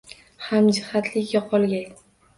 Hamjihatlik yo’qolgay.